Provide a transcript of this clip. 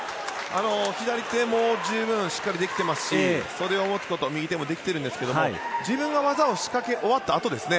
左手も十分しっかりできてますし袖を持つこと、右手もできているんですけど自分の技を仕掛け終わったあとですね。